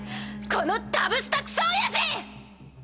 このダブスタクソおやじ！